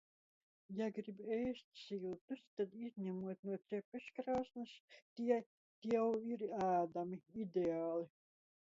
Ja grib ēst siltus, tad izņemot no cepeškrāsns tie jau ir ēdami. Ideāli!